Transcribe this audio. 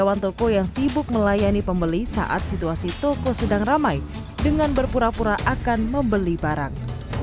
ada beberapa toko yang sibuk melayani pembeli saat situasi toko sedang ramai dengan berpura pura akan membeli barang